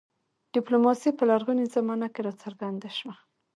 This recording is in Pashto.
ډیپلوماسي په لرغونې زمانه کې راڅرګنده شوه